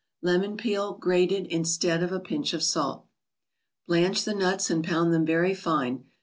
Lemon peel, grated, instead of a pinch of salt. Blanch the nuts, and pound them very*fine.